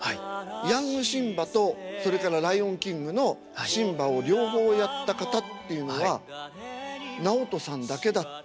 ヤングシンバとそれから「ライオンキング」のシンバを両方やった方っていうのは直人さんだけだって。